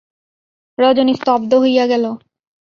রজনী স্তব্ধ হইয়া গেল।